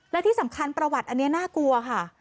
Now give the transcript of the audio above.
และที่สำคัญประวัติอันนี้น่ากลัวค่ะ